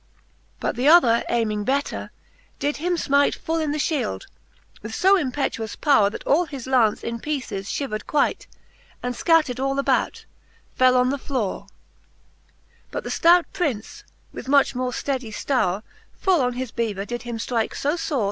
VIII. But th' other ayming better, did him fmite Full in the fhield, with fo impetuous powre, That all his launce in peeces fhivered quite. And, fcatter'd all about, fell on the flowre. But the ftout Prince, with much more fteddy Jlowre, Full on his bever did him ftrike fo fore.